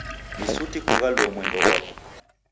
Ni suti kughaluo mwendo ghwako.